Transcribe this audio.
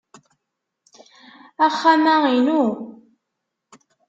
Axxam-a inu.